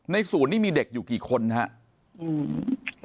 ศูนย์นี้มีเด็กอยู่กี่คนครับ